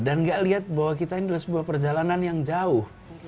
dan gak lihat bahwa kita ini adalah sebuah perjalanan yang jauh